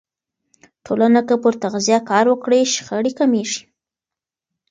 ټولنه که پر تغذیه کار وکړي، شخړې کمېږي.